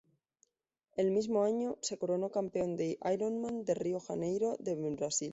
El mismo año, se coronó campeón de Ironman de Río de Janeiro, en Brasil.